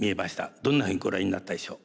どんなふうにご覧になったでしょう？